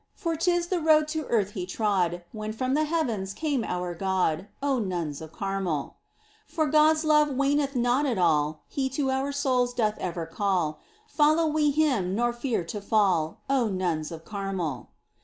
For 'tis the road to earth He trod When from the heavens came our God, O nuns of Carmel ! For God's love waneth not at all. He to our souls doth ever call : POEMS. 25 Follow we Him nor fear to fall, •. O nuns of Carmel